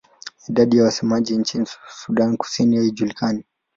Idadi ya wasemaji nchini Sudan Kusini haijulikani.